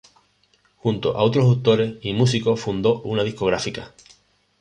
Junto a otros autores y músicos, fundó una discográfica.